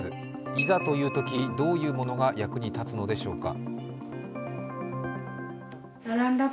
いざというとき、どういうものが役に立つのでしょうか。